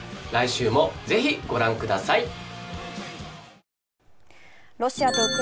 来週もぜひご覧ください。